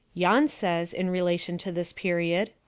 Jahn says, in rela tion to this period.